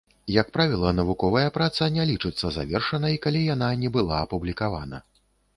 Як правіла, навуковая праца не лічыцца завершанай, калі яна не была апублікавана.